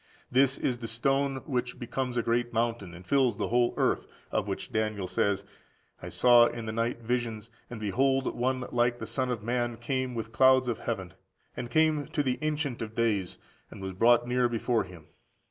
This is the stone which becomes a great mountain, and fills the whole earth, of which Daniel says: "I saw in the night visions, and behold one like the Son of man came with the clouds of heaven, and came to the Ancient of days, and was brought near before Him.